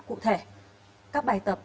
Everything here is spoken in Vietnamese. cụ thể các bài tập